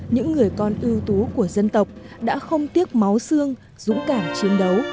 những người con ưu tú của dân tộc đã không tiếc máu xương dũng cảm chiến đấu